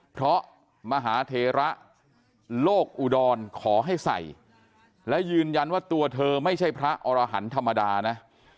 เพราะมหาเทระโลกอุดรขอให้ใส่และยืนยันว่าตัวเธอไม่ใช่พระอรหันธ์ธรรมดานะ